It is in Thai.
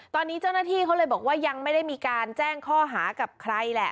ตอนนี้เจ้าหน้าที่เขาเลยบอกว่ายังไม่ได้มีการแจ้งข้อหากับใครแหละ